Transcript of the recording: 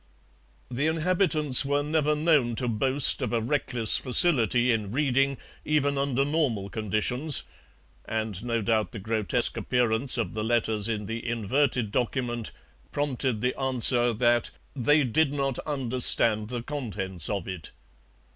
The inhabitants were never known to boast of a reckless facility in reading, even under normal conditions, and no doubt the grotesque appearance of the letters in the inverted document prompted the answer that 'they did not understand the contents of it.'